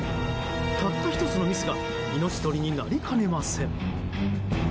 たった１つのミスが命取りになりかねません。